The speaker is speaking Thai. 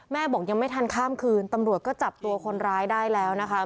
บอกยังไม่ทันข้ามคืนตำรวจก็จับตัวคนร้ายได้แล้วนะคะ